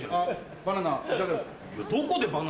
バナナいかがですか？